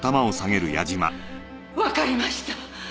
わかりました。